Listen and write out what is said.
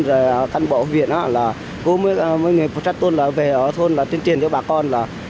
rồi căn bộ huyện đó là cô mấy người phố trách thôn là về ở thôn là tuyên truyền cho bà con là